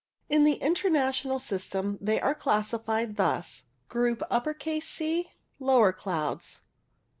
In the International system they are classified thus — Group C. Lower clouds.